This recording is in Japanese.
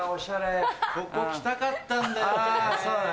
ここ来たかったんだよね。